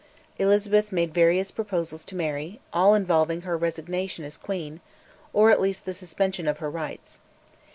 Elizabeth made various proposals to Mary, all involving her resignation as queen, or at least the suspension of her rights.